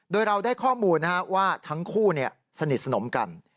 โดยเราได้ข้อมูลว่าทั้งคู่สนิทสนมกัน